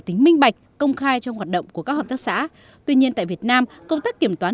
tính minh bạch công khai trong hoạt động của các hợp tác xã tuy nhiên tại việt nam công tác kiểm toán